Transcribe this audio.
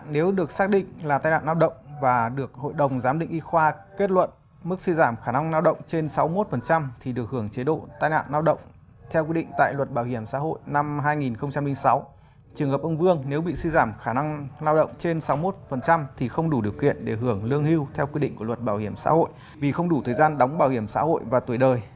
nếu ông vương giám định sức khỏe mà tỷ lệ suy giảm khả năng lao động trên sáu mươi một thì ông được hưởng quyền lợi gì